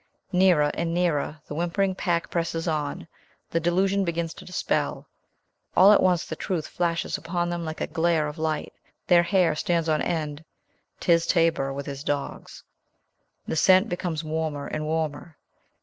Nearer and nearer the whimpering pack presses on; the delusion begins to dispel; all at once the truth flashes upon them like a glare of light; their hair stands on end; 'tis Tabor with his dogs. The scent becomes warmer and warmer.